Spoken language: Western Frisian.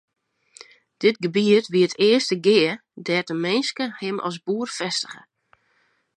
Dit gebiet wie it earste gea dêr't de minske him as boer fêstige.